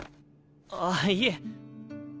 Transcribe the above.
あっいえ。